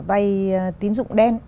vay tín dụng đen